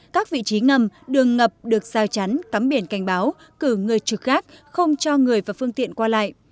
các vị trí ngầm đường ngập được giao chắn cắm biển cảnh báo cử người trực gác không cho người và phương tiện qua lại